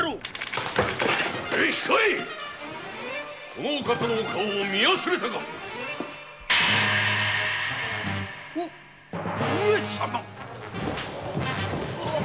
この方のお顔を見忘れたかう上様？